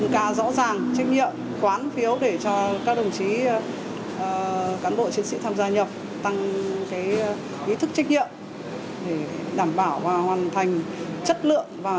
cái dấu đã thử tra